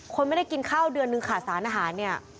คนไม่ได้กินข้าวเดือนหนึ่งขาดสารอาหารเนี่ย